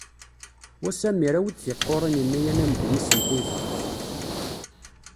Wa Samir awi-d taqqurin-nni ad nandi yis-sent i yefrax!